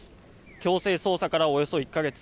強制捜査からおよそ１か月。